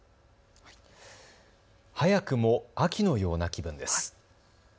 早くも秋のような気分です。